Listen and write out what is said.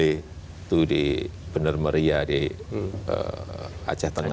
itu benar meriah di aceh tengah